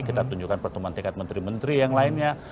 kita tunjukkan pertemuan tingkat menteri menteri yang lainnya